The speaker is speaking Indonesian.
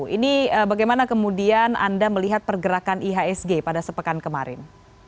ini bagaimana kemudian anda melihat pergerakan ihsg pada sepekan kemarin